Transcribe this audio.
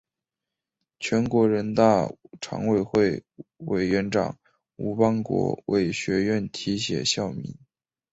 全国人大常委会委员长吴邦国为学院题写校名。